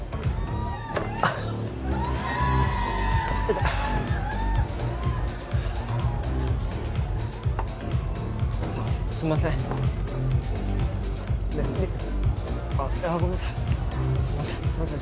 痛っすいませんねえあっごめんなさいすいませんすいません